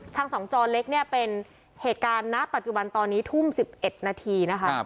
ทั้ง๒จอเล็กเป็นเหตุการณ์ปัจจุบันตอนนี้ทุ่ม๑๑นาที